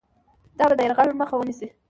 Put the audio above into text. دا به د یرغل مخه ونیسي.